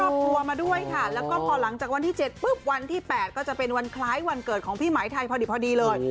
ครอบครัวมาด้วยค่ะแล้วก็พอหลังจากวันที่๗ปุ๊บวันที่๘ก็จะเป็นวันคล้ายวันเกิดของพี่หมายไทยพอดีพอดีเลย